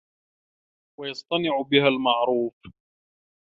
وَيَصْطَنِعَ بِهَا الْمَعْرُوفَ